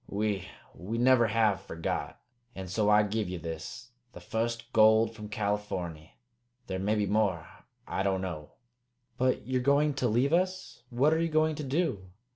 We we never have forgot. And so I give ye this, the fust gold from Californy. There may be more. I don't know." "But you're going to leave us? What are you going to do?"